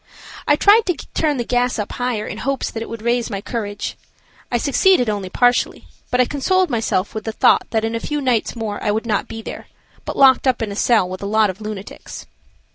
I tried to turn the gas up higher in hopes that it would raise my courage. I succeeded only partially, but I consoled myself with the thought that in a few nights more I would not be there, but locked up in a cell with a lot of lunatics.